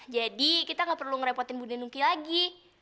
jadi kita gak perlu ngerepotin bunda nungki lagi